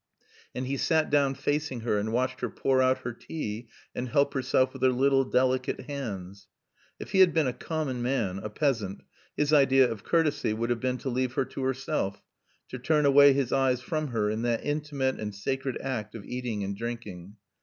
And he sat down facing her and watched her pour out her tea and help herself with her little delicate hands. If he had been a common man, a peasant, his idea of courtesy would have been to leave her to herself, to turn away his eyes from her in that intimate and sacred act of eating and drinking.